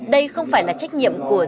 đây không phải là trách nhiệm của